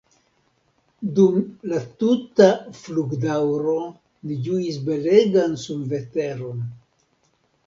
Dum la tuta flugdaŭro ni ĝuis belegan sunveteron.